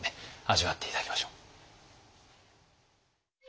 味わって頂きましょう。